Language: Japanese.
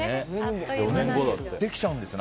できちゃうんですね。